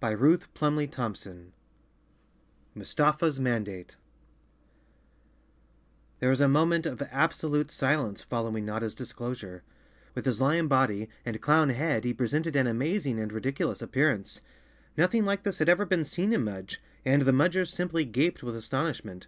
45 CHAPTER 4 Mustafa's Mandate T HERE was a moment of absolute silence following Notta's disclosure. With his lion body and clown head he presented an amazing and ridiculous appear¬ ance. Nothing like this had ever been seen in Mudge, and the Mudgers simply gaped with astonishment.